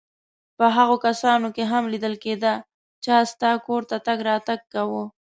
په هغو کسانو کې هم لیدل کېده چا ستا کور ته تګ راتګ کاوه.